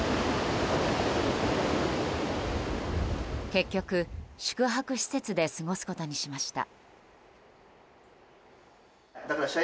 結局、宿泊施設で過ごすことにしました。